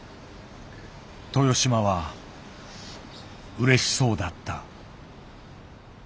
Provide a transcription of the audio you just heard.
豊島はうれしそうだった。